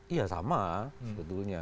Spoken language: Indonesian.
iya sama sebetulnya